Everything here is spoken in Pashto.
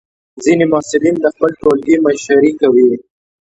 ځینې محصلین د خپل ټولګي مشري کوي.